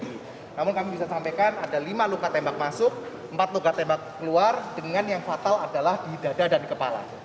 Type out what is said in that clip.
jadi yang kami bisa sampaikan ada lima luka tembak masuk empat luka tembak keluar dengan yang fatal adalah di dada dan di kepala